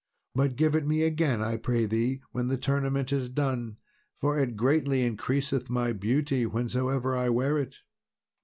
But give it me again, I pray thee, when the tournament is done, for it greatly increaseth my beauty whensoever I wear it."